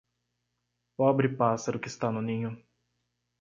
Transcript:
Pobre pássaro que está no ninho.